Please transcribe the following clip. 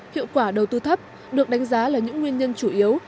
hiệu quả đầu tư thấp được đánh giá là những nguyên nhân chủ yếu